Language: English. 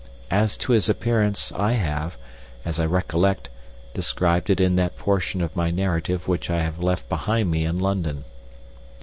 As to his appearance, I have, as I recollect, described it in that portion of my narrative which I have left behind me in London.